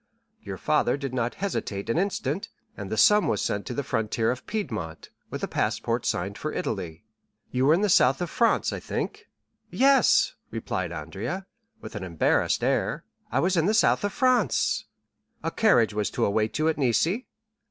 Your father did not hesitate an instant, and the sum was sent to the frontier of Piedmont, with a passport signed for Italy. You were in the south of France, I think?" "Yes," replied Andrea, with an embarrassed air, "I was in the south of France." "A carriage was to await you at Nice?"